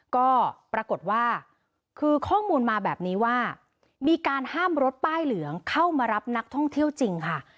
ก็ปรากฏว่าคือข้อมูลมาแบบนี้ว่ามีการห้ามรถป้ายเหลืองเข้ามารับนักท่องเที่ยวจริงค่ะ